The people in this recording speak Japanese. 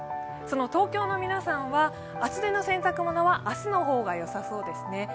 東京の皆さんは厚手の洗濯物は明日の方がよさそうですね。